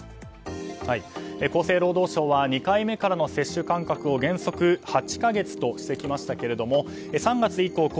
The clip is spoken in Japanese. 厚生労働省は２回目からの接種間隔を原則８か月としてきましたけど３月以降